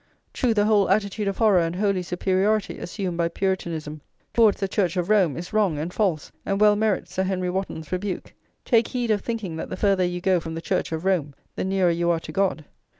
True, the whole attitude of horror and holy superiority assumed by Puritanism towards the Church of Rome, is wrong and false, and well merits Sir Henry Wotton's rebuke: "Take heed of thinking that the farther you go from the Church of Rome, the nearer you are to God."